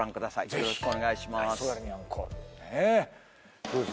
よろしくお願いします